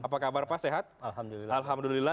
apa kabar pak sehat alhamdulillah